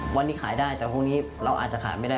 วันนี้ขายได้แต่พรุ่งนี้เราอาจจะขายไม่ได้